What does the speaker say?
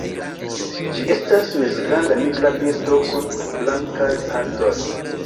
Ĝi estas mezgranda nigra birdo kun blankaj partoj.